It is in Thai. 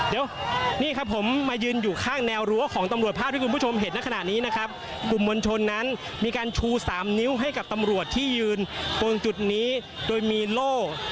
เดี๋ยวนี่ครับผมมายืนอยู่ข้างแนวรั้วของตำรวจภาพที่คุณผู้ชมเห็นในขณะนี้นะครับกลุ่มมวลชนนั้นมีการชูสามนิ้วให้กับตำรวจที่ยืนตรงจุดนี้โดยมีโล่